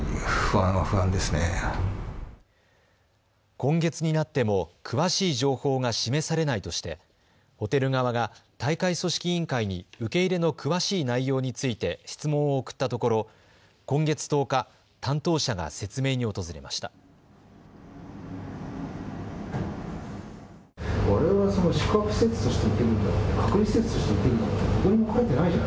今月になっても詳しい情報が示されないとしてホテル側が大会組織委員会に受け入れの詳しい内容について質問を送ったところ今月１０日、担当者が説明に訪れました。